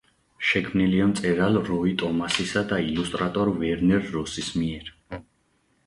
შექმნილია მწერალ როი ტომასისა და ილუსტრატორ ვერნერ როსის მიერ.